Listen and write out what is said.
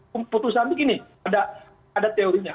keputusan begini ada teorinya